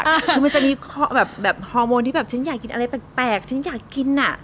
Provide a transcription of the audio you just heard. คือมันจะมีแบบฮอร์โมนที่แบบฉันอยากกินอะไรแปลกฉันอยากกินอ่ะ